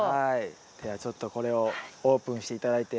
ではちょっとこれをオープンして頂いて。